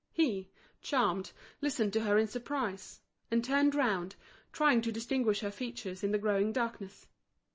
He, charmed, listened to her in surprise; and turned round, trying to distinguish her features in the growing darkness.